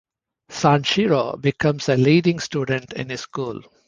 Sanshiro becomes a leading student in his school.